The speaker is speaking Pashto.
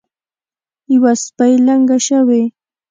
یوه سپۍ لنګه شوې.